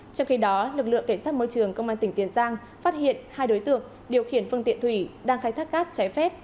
trong khi đó lực lượng cảnh sát môi trường công an tỉnh tiền giang phát hiện hai đối tượng điều khiển phương tiện thủy đang khai thác cát trái phép